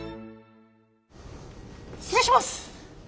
失礼します！